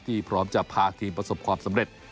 พร้อมจะพาทีมประสบความสำเร็จ